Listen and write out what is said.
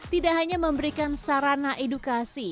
tidak hanya memberikan sarana edukasi